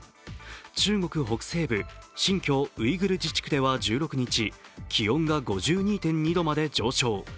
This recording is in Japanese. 中国北西部・新疆ウイグル自治区では１６日、気温が５２．２度まで上昇。